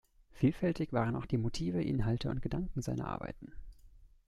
Vielfältig waren auch die Motive, Inhalte und Gedanken seiner Arbeiten.